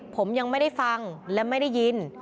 ผมยังไม่ได้ฟังและไม่ได้ยิน